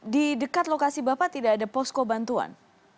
di dekat lokasi bapak tidak ada posko bantuan